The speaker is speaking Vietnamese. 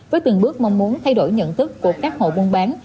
với từng bước mong muốn thay đổi nhận thức của các hộ buôn bán